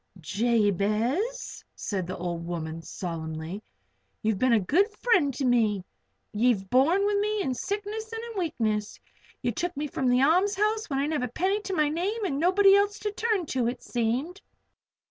"Jabez," said the little old woman, solemnly, "you've been a good friend to me ye've borne with me in sickness and in weakness. Ye took me from the a'mshouse when I didn't have a penny to my name and nobody else to turn to, it seemed.